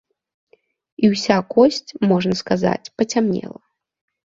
І ўся косць, можна сказаць, пацямнела.